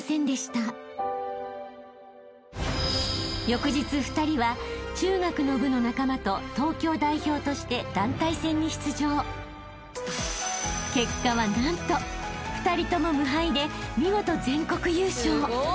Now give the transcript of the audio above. ［翌日２人は中学の部の仲間と東京代表として団体戦に出場］［結果は何と２人とも無敗で見事全国優勝］